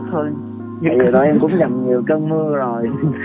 tại vì đó em cũng nhầm nhiều cơn mưa rồi